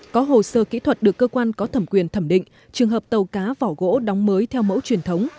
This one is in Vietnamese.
có hồ sơ kỹ thuật được cơ quan có thẩm quyền thẩm định trường hợp tàu cá vỏ gỗ đóng mới theo mẫu truyền thống